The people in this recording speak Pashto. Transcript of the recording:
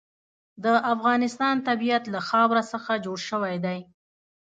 د افغانستان طبیعت له خاوره څخه جوړ شوی دی.